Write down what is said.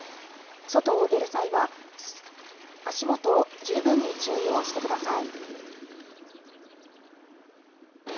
外を出る際は、足元、十分に注意をしてください。